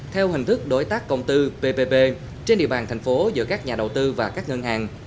theo hình thức đối tác công tư ppp trên địa bàn thành phố giữa các nhà đầu tư và các ngân hàng